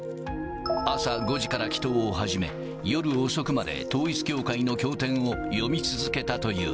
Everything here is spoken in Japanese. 朝５時から祈とうを始め、夜遅くまで統一教会の経典を読み続けたという。